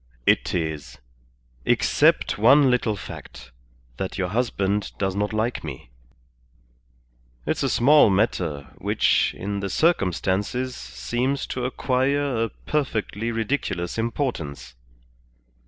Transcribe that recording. "It is. Except one little fact, that your husband does not like me. It's a small matter, which, in the circumstances, seems to acquire a perfectly ridiculous importance.